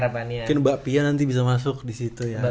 mungkin mbak pia nanti bisa masuk disitu ya